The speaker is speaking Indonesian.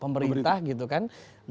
pemerintah gitu kan